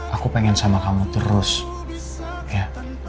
aku pengen sama kamu terus ya